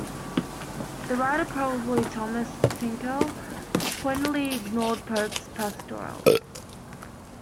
The writer, probably Thomas Tickell, pointedly ignored Pope's pastorals.